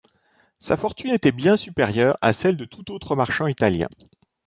Sa fortune était bien supérieure à celle de tout autre marchand italien.